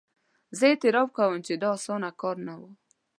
زه اعتراف کوم چې دا اسانه کار نه وو.